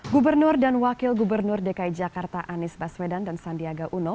gubernur dan wakil gubernur dki jakarta anies baswedan dan sandiaga uno